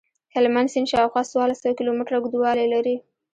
هلمند سیند شاوخوا څوارلس سوه کیلومتره اوږدوالی لري.